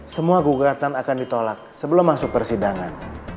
semua gugatan akan ditolak sebelum masuk persidangan